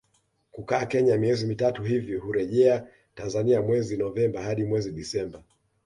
kukaa Kenya miezi mitatu hivi hurejea Tanzania mwezi Novemba hadi mwezi Disemba